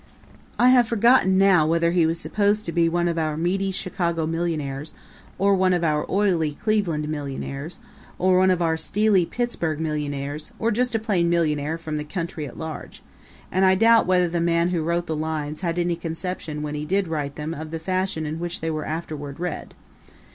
I have forgotten now whether he was supposed to be one of our meaty Chicago millionaires, or one of our oily Cleveland millionaires, or one of our steely Pittsburgh millionaires, or just a plain millionaire from the country at large; and I doubt whether the man who wrote the lines had any conception when he did write them of the fashion in which they were afterward read.